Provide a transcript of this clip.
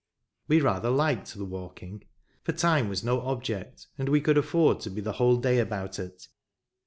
We rather liked the walking ; for time was no object, and we could afford to be the whole day about it.